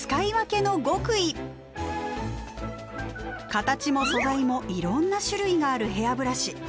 形も素材もいろんな種類があるヘアブラシ。